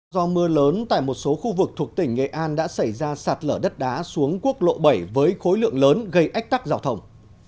do mưa lớn tại một số khu vực thuộc tỉnh nghệ an đã xảy ra sạt lở đất đá xuống quốc lộ bảy với khối lượng lớn gây ách tắc giao thông